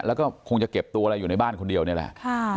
แล้วก็คงจะเก็บตัวอะไรอยู่ในบ้านคนเดียวนี่แหละ